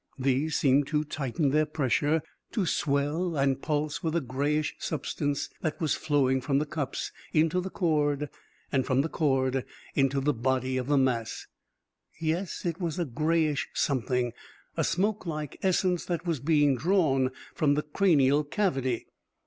These seemed to tighten their pressure to swell and pulse with a grayish substance that was flowing from the cups into the cord and from the cord into the body of the mass. Yes, it was a grayish something, a smokelike Essence that was being drawn from the cranial cavity.